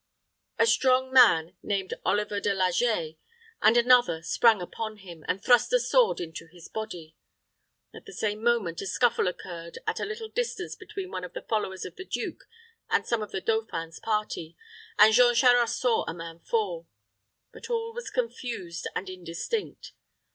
A strong man, named Oliver de Laget and another sprang upon him, and thrust a sword into his body. At the same moment, a scuffle occurred at a little distance between one of the followers of the duke and some of the dauphin's party, and Jean Charost saw a man fall; but all was confused and indistinct.